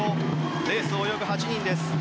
レースを泳ぐ８人です。